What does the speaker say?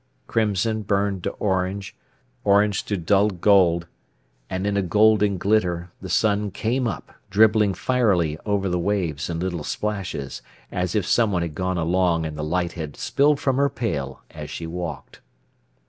Crimson burned to orange, orange to dull gold, and in a golden glitter the sun came up, dribbling fierily over the waves in little splashes, as if someone had gone along and the light had spilled from her pail as she walked.